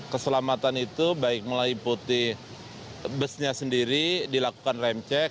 keselamatan itu baik mulai putih busnya sendiri dilakukan rem cek